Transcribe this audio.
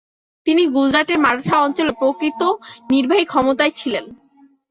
তিনি গুজরাটের মারাঠা অঞ্চলে প্রকৃত নির্বাহী ক্ষমতায় ছিলেন।